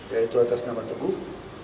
yaitu atas nama teguh